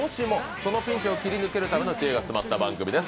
そのピンチを切り抜けるための知恵が詰まった番組です。